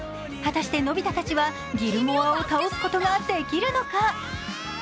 果たして、のび太たちはギルモアを倒すことができるのか？